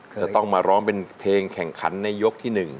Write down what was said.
จะต้องมาร้องเป็นเพลงแข่งขันในยกที่๑